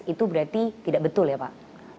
itu berarti tidak betul ya pak